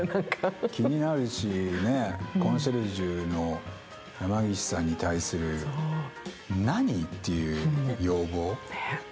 気になるし、コンシェルジュの山岸さんに対する何？っていう要望。